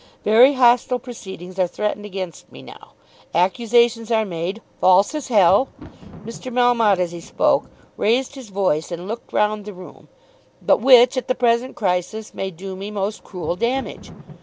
Very hostile proceedings are threatened against me now. Accusations are made, false as hell," Mr. Melmotte as he spoke raised his voice and looked round the room, "but which at the present crisis may do me most cruel damage.